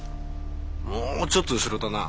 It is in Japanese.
もうちょっと後ろだな。